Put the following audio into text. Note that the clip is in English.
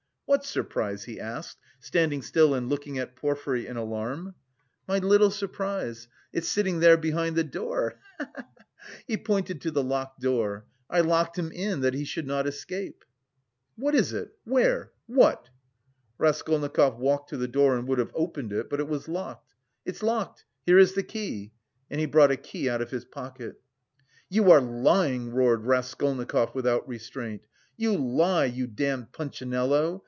"What surprise?" he asked, standing still and looking at Porfiry in alarm. "My little surprise, it's sitting there behind the door, he he he!" (He pointed to the locked door.) "I locked him in that he should not escape." "What is it? Where? What?..." Raskolnikov walked to the door and would have opened it, but it was locked. "It's locked, here is the key!" And he brought a key out of his pocket. "You are lying," roared Raskolnikov without restraint, "you lie, you damned punchinello!"